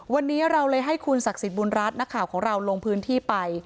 วันนี้เราเลยให้คุณศักดิ์สิทธิบุญรัฐนักข่าวของเราลงพื้นที่ไป